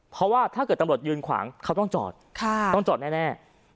เพราะว่าถ้าเกิดตำรวจยืนขวางเขาต้องจอดต้องจอดแน่